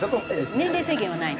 年齢制限はない？